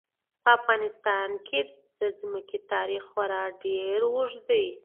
په افغانستان کې د ځمکه تاریخ خورا ډېر اوږد دی.